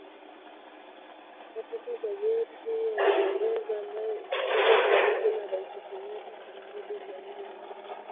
Katika bajeti ya nyongeza ambayo ilipigwa sahihi na Rais Kenyatta Aprili nne , aliidhinisha shilingi bilioni thelathini na nne za Kenya